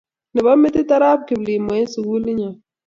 Nebo metit arap Kiplimo eng' sugulit nyo.